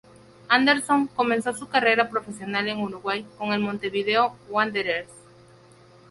Anderson comenzó su carrera profesional en Uruguay con el Montevideo Wanderers.